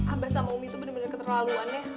abah sama umi itu bener bener keterlaluan ya